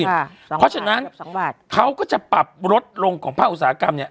เพราะฉะนั้นเขาก็จะปรับลดลงของภาคอุตสาหกรรมเนี่ย